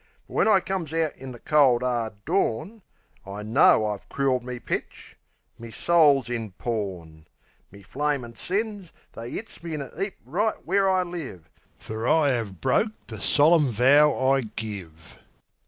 But when I comes out in the cold, 'ard dawn I know I've crooled me pitch; me soul's in pawn. My flamin' sins They 'its me in a 'eap right where I live; Fer I 'ave broke the solim vow I give.